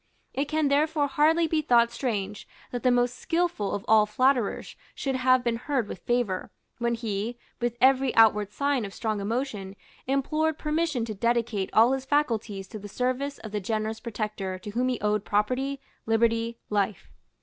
It can therefore hardly be thought strange that the most skilful of all flatterers should have been heard with favour, when he, with every outward sign of strong emotion, implored permission to dedicate all his faculties to the service of the generous protector to whom he owed property, liberty, life.